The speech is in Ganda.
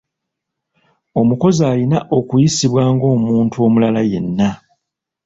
Omukozi alina okuyisibwa bg’omuntu omulala yenna.